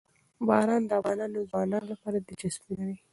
باران د افغان ځوانانو لپاره دلچسپي لري.